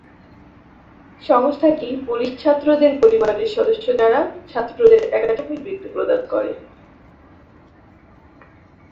সংস্থাটি পুলিশ ছাত্রদের পরিবারের সদস্য যারা ছাত্রদের একাডেমিক বৃত্তি প্রদান করে।